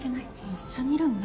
一緒にいるの何？